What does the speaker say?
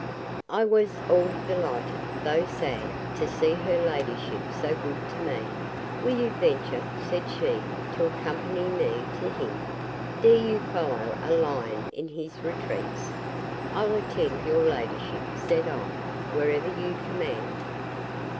I was all delighted, though sad, to see her ladyship so good to me. Will you venture, said she, to accompany me to him?—Dare you follow a lion in his retreats?—I'll attend your ladyship, said I, wherever you command.